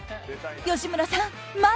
吉村さん、前！